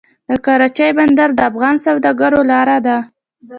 د کراچۍ بندر د افغان سوداګرو لاره ده